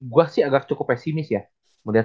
gua sih agak cukup pesimis ya